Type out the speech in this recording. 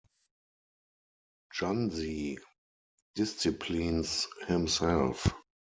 "Junzi" disciplines himself.